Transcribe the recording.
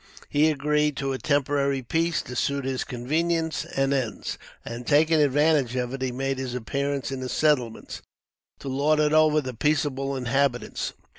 He had agreed to a temporary peace, to suit his convenience and ends; and, taking advantage of it, he made his appearance in the settlements, to lord it over the peaceable inhabitants.